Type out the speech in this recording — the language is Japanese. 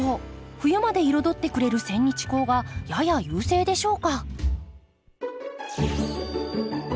冬まで彩ってくれるセンニチコウがやや優勢でしょうか。